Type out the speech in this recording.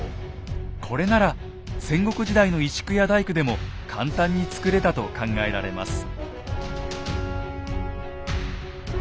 これなら戦国時代の石工や大工でも簡単に作れたと考えられます。